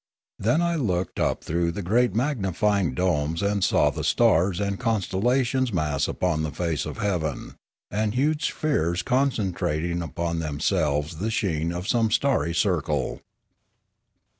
Then I looked up through the great magnifying domes and saw the stars and con stellations mass upon the face of heaven, and huge spheres concentrating upon themselves the sheen of some starry circle.